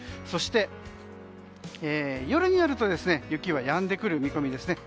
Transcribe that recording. そして、夜になると雪はやんでくる見込みです。